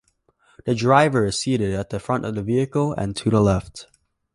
The driver is seated at the front of the vehicle and to the left.